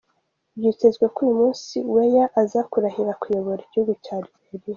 Byitezwe ko uyu munsi Weah aza kurahirira kuyobora igihugu cya Liberiya.